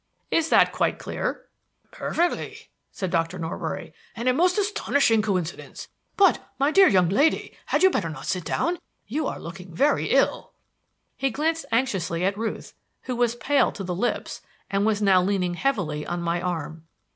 Is that quite clear?" "Perfectly," said Dr. Norbury; "and a most astonishing coincidence but, my dear young lady, had you not better sit down? You are looking very ill." He glanced anxiously at Ruth, who was pale to the lips and was now leaning heavily on my arm.